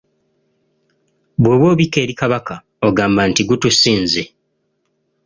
Bw'oba obika eri Kabaka ogamba nti gutusinze.